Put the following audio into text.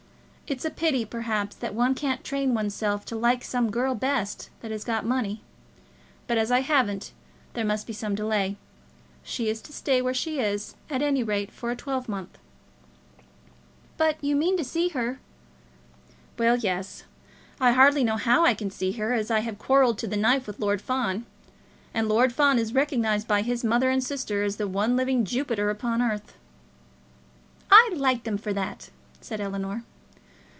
It's a pity, perhaps, that one can't train one's self to like some girl best that has got money; but as I haven't, there must be some delay. She is to stay where she is, at any rate, for a twelvemonth." "But you mean to see her?" "Well, yes; I hardly know how I can see her, as I have quarrelled to the knife with Lord Fawn; and Lord Fawn is recognised by his mother and sisters as the one living Jupiter upon earth." "I like them for that," said Ellinor.